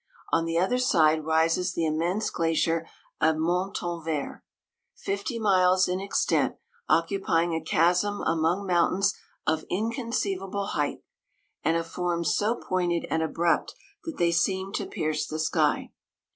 On the other side rises the immense glacier of Montanvert, fifty miles in ex tent, occupying a chasm among moun tains of inconceivable height, and of forms so pointed and abrupt, that they seem to pierce the sky.